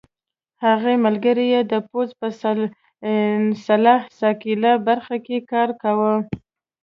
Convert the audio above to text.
هغه ملګری یې د پوځ په سلاح ساقېله برخه کې کار کاوه.